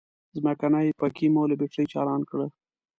ځمکنی پکی مو له بترۍ چالان کړ.